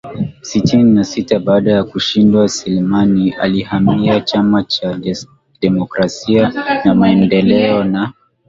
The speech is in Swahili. sitini na sita baada ya kushindwa Selemani alihamia Chama cha demokrasia na maendeleo na